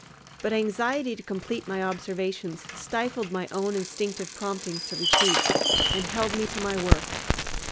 But anxiety to complete my observations stifled my own instinctive promptings to retreat, and held me to my work.